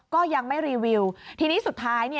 ก็ยังไม่รีวิวทีนี้สุดท้าย